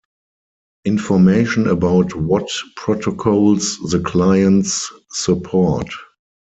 Information about what protocols the clients support.